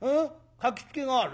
書きつけがある？